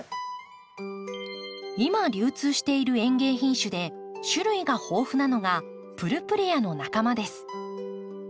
今流通している園芸品種で種類が豊富なのがプルプレアの仲間です。